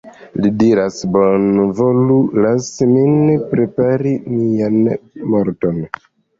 Li diras, "Bonvolu lasi min prepari mian morton.